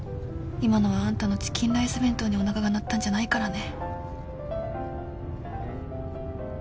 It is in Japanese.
今のはあんたのチキンライス弁当におなかが鳴ったんじゃないからね